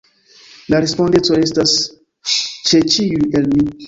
La respondeco restas ĉe ĉiuj el ni.